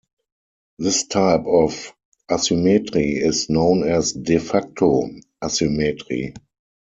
This type of asymmetry is known as "de facto" asymmetry.